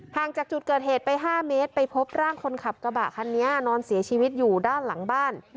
จากจุดเกิดเหตุไป๕เมตรไปพบร่างคนขับกระบะคันนี้นอนเสียชีวิตอยู่ด้านหลังบ้าน